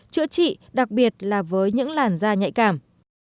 chữa trị đặc biệt là với những làn da nhạy cảm